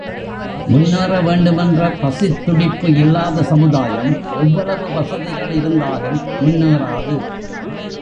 முன்னேற வேண்டும் என்ற பசித்துடிப்பு இல்லாத சமுதாயம் எவ்வளவு வசதிகள் இருந்தாலும் முன்னேறாது.